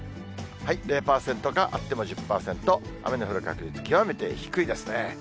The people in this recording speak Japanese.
０％かあっても１０％、雨の降る確率、極めて低いですね。